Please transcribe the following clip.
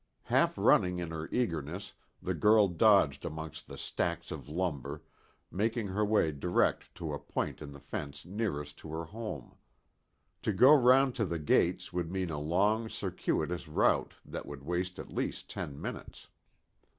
Half running in her eagerness, the girl dodged amongst the stacks of lumber, making her way direct to a point in the fence nearest to her home. To go round to the gates would mean a long, circuitous route that would waste at least ten minutes.